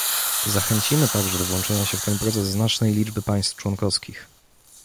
Zachęcimy także do włączenia się w ten proces znacznej liczby państw członkowskich